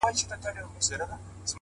د ژوند رنګ د فکر له رنګ بدلېږي؛